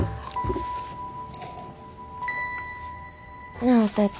なあお父ちゃん。